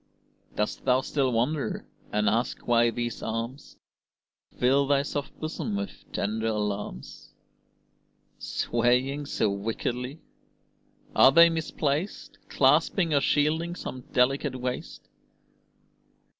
Dost thou still wonder, and ask why these arms Fill thy soft bosom with tender alarms, Swaying so wickedly? Are they misplaced Clasping or shielding some delicate waist?